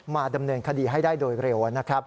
มาดำเนินคดีให้ได้โดยเร็วนะครับ